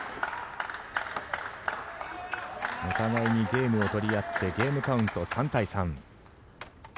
お互いにゲームを取り合ってゲームカウント３対３。